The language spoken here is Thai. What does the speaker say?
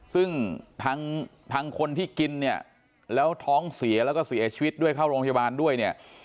ซึ่งทางคนที่กินเนี่ยแล้วท้องเสียแล้วก็เสียชีวิตด้วยเข้าโรงพยาบาลด้วยเนี่ย